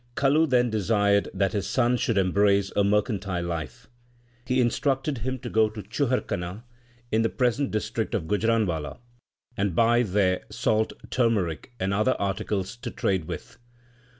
2 Kalu then desired that his son should embrace a mercantile life. He instructed him to go to Chuharkana in the present district of Gujranwala, and buy there salt, turmeric, and other articles to trade with.